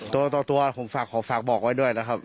ตัวต่อตัวผมฝากบอกไว้ด้วยนะครับ